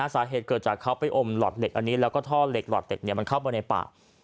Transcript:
สาเหตุเกิดจากเขาไปอมหลอดเหล็กอันนี้แล้วก็ท่อเหล็กหลอดเหล็กมันเข้าไปในป่า